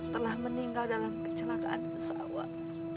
telah meninggal dalam kecelakaan pesawat